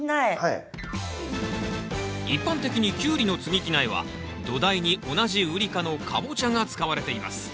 一般的にキュウリの接ぎ木苗は土台に同じウリ科のカボチャが使われています。